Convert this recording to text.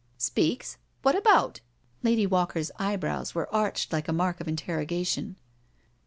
" Speaks 1 What about?" Lady Walker's eyebrows were arched like a mark of interrogation.